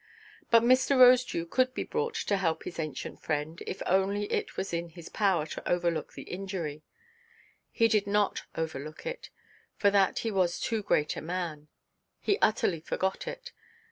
But Mr. Rosedew could be brought to help his ancient friend, if only it was in his power to overlook the injury. He did not overlook it. For that he was too great a man. He utterly forgot it.